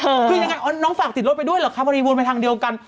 คือนี่ไงน้องฝากติดรถไปด้วยหรอกครับวันดีวูลมันไปทางเดียวกัน